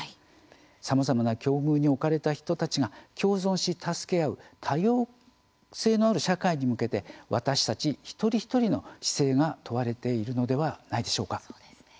さまざまな境遇に置かれた人たちが共存し助け合う多様性のある社会に向けて私たち一人一人の姿勢が問われているのではないでしょうか。